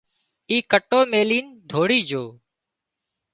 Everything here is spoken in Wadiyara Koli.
اي ڪٽو ميلين ڌوڙي جھو